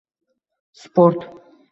Sport